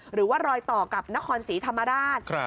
หรือว่ารอยต่อกับนครศรีธรรมราช